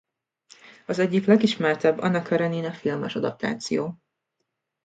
Az egyik legismertebb Anna Karenina filmes adaptáció.